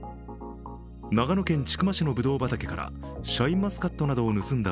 長野県千曲市のぶどう畑からシャインマスカットなどを盗んだ